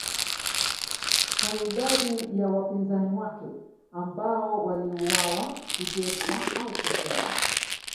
kwa idadi ya wapinzani wake ambao waliuawa kuteswa au kufungwa